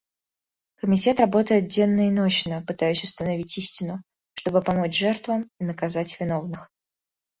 Комитет работает денно и нощно, пытаясь установить истину, чтобы помочь жертвам и наказать виновных.